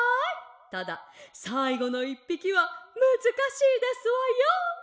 たださいごの１ぴきはむずかしいですわよ」。